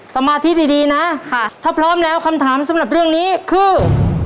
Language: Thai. สมาธิดีนะถ้าพร้อมแล้วคำถามสำหรับเรื่องนี้คือ